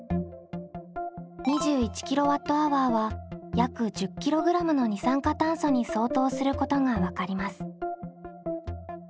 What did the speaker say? ２１ｋＷｈは約１０ｋｇの二酸化炭素に相当することが分かります。